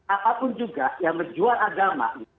apapun juga yang menjual agama